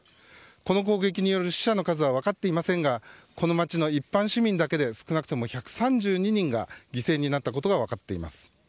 この砲撃による死者の数は分かっていませんがこの町の一般市民だけで少なくとも１３２人が犠牲になったことが分かっています。